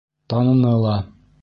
Таныны ла...